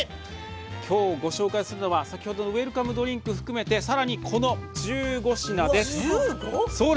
きょうご紹介するのは先ほどのウェルカムドリンク含めてさらにこの１５品です。